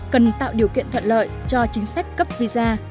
cần tạo điều kiện thuận lợi cho chính sách cấp visa